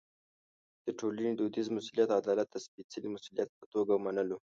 د ټولنې دودیز مسوولیت عدالت د سپېڅلي مسوولیت په توګه منلو.